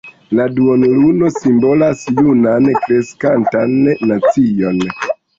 La duonluno simbolas junan kreskantan nacion.